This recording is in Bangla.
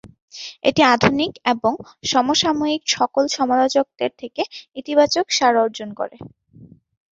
এটি আধুনিক এবং সমসাময়িক সকল সমালোচকদের থেকে ইতিবাচক সাড়া অর্জন করে।